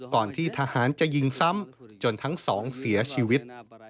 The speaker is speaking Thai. ก่อนที่ทหารจะยิงซ้ำจนทั้งสองเสียชีวิต